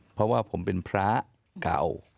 เพราะว่าผมเป็นพระเก่า